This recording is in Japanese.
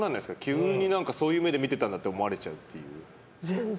急に、そういう目で見てたんだって思われちゃうっていう。